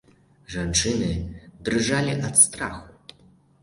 Жанчыны дрыжалі ад страху.